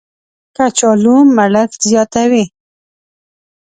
کچالو مړښت زیاتوي